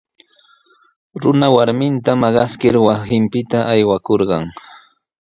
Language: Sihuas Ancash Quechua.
Runa warminta maqaskir wasinpita aywakurqan.